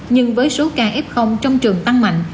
nhưng với số ca f trong trường tăng mạnh